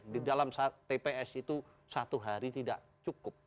di dalam tps itu satu hari tidak cukup